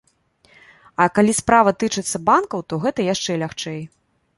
А калі справа тычыцца банкаў, то гэта яшчэ лягчэй.